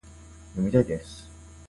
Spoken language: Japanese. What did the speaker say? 読みたいです